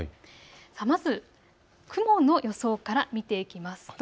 まず、雲の予想から見ていきます。